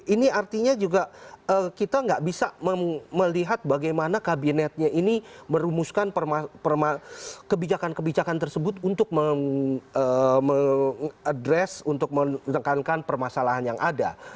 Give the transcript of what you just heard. ini artinya juga kita nggak bisa melihat bagaimana kabinetnya ini merumuskan kebijakan kebijakan tersebut untuk mengadres untuk menekankan permasalahan yang ada